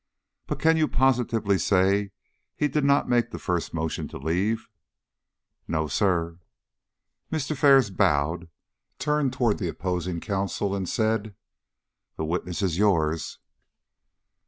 "But can you positively say he did not make the first motion to leave?" "No, sir." Mr. Ferris bowed, turned toward the opposing counsel and said: "The witness is yours."